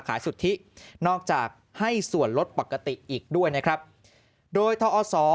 สุทธินอกจากให้ส่วนลดปกติอีกด้วยนะครับโดยทอศ